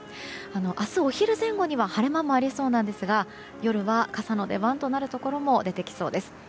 明日お昼前後には晴れ間もありそうなんですが夜は、傘の出番となるところも出てきそうです。